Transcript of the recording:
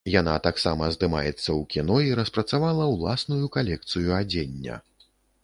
Яна таксама здымаецца ў кіно і распрацавала ўласную калекцыю адзення.